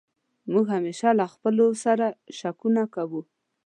موږ همېشه له خپلو سر شکونه کوو.